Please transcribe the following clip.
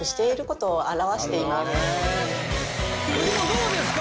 でもどうですか？